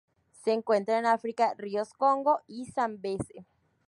Se encuentran en África: ríos Congo y Zambeze.